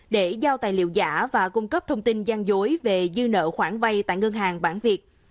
để giao tài liệu giả và cung cấp thông tin gian dối về dư nợ khoản vay tại ngân hàng bản việc